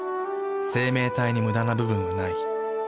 生命体にムダな部分はない。